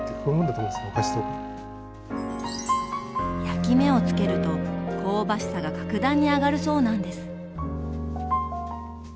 焼き目を付けると香ばしさが格段に上がるそうなんです！